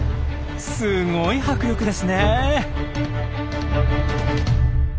すごい迫力ですねえ。